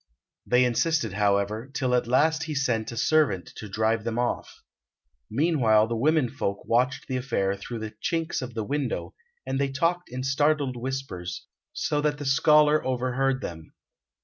They insisted, however, till he at last sent a servant to drive them off. Meanwhile the womenfolk watched the affair through the chinks of the window, and they talked in startled whispers, so that the scholar overheard them.